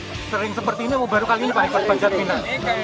sering seperti ini baru kali ini pak panjat pinang